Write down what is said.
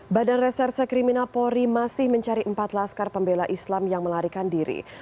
badan reserse kriminal polri masih mencari empat laskar pembela islam yang melarikan diri